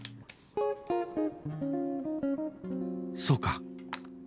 そうか